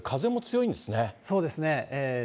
そうですね。